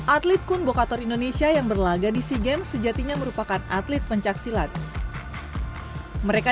atlet kumbhokator indonesia yang berlaga di si game sejatinya merupakan atlet pencak silat mereka